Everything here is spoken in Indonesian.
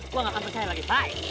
gua gak akan percaya lagi